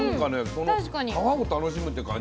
この皮を楽しむって感じ。